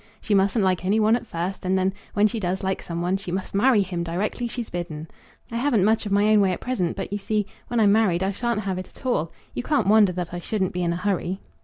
She mustn't like any one at first; and then, when she does like some one, she must marry him directly she's bidden. I haven't much of my own way at present; but you see, when I'm married I shan't have it at all. You can't wonder that I shouldn't be in a hurry."